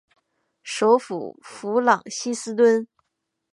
首府弗朗西斯敦。